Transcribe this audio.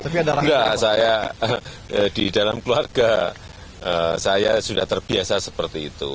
enggak saya di dalam keluarga saya sudah terbiasa seperti itu